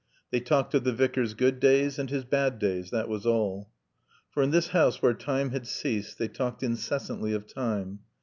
They talked of the Vicar's good days and his bad days, that was all. For in this house where time had ceased they talked incessantly of time.